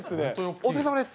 お疲れさまです。